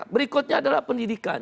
berikutnya adalah pendidikan